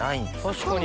確かに。